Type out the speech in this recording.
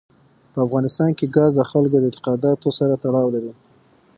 په افغانستان کې ګاز د خلکو د اعتقاداتو سره تړاو لري.